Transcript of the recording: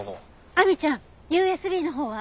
亜美ちゃんＵＳＢのほうは？